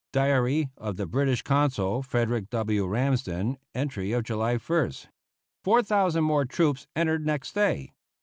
(Diary of the British Consul, Frederick W. Ramsden, entry of July 1st.) Four thousand more troops entered next day.